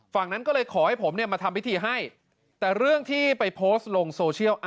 นั้นก็เลยขอให้ผมเนี่ยมาทำพิธีให้แต่เรื่องที่ไปโพสต์ลงโซเชียล